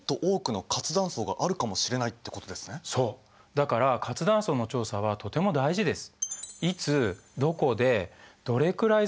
だから活断層の調査はとても大事です。